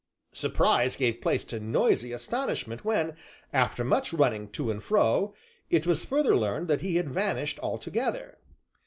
Surprise gave place to noisy astonishment when, after much running to and fro, it was further learned that he had vanished altogether.